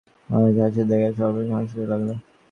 রাজাকে হাসিতে দেখিয়া সকল সভাসদই হাসিতে লাগিল।